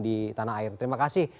di tanah air terima kasih